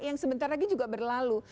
yang sebentar lagi juga berlalu